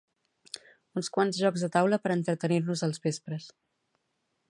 Uns quants jocs de taula per entretenir-nos els vespres